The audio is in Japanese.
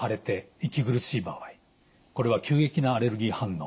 これは急激なアレルギー反応